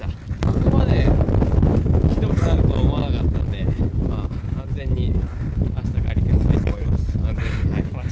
ここまでひどくなるとは思わなかったんで、安全にあした帰れたらなと思います。